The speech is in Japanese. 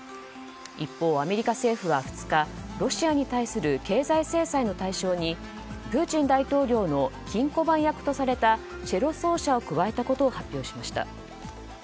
一方、アメリカ政府は２日ロシアに対する経済制裁の対象にプーチン大統領の金庫番役とされたチェロ奏者を加えたことを発表しました。